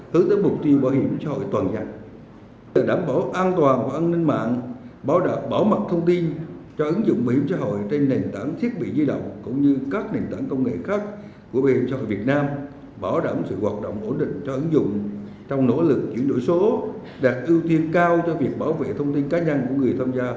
thủ tướng đề nghị bảo hiểm xã hội việt nam thực hiện tốt một số nhiệm vụ sau